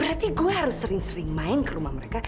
berarti gue harus sering sering main ke rumah mereka